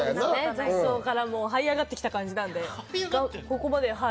雑草から這い上がってきた感じなんで。